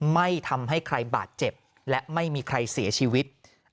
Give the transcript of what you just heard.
ไม่ทำให้ใครบาดเจ็บและไม่มีใครเสียชีวิต